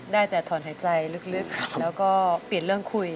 ได้แต่ถอนหายใจลึกแล้วก็เปลี่ยนเรื่องคุย